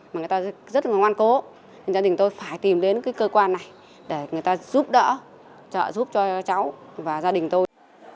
mà người ta rất là ngoan cố gia đình tôi phải tìm đến cái cơ quan này để người ta giúp đỡ trợ giúp cho cháu và gia đình tôi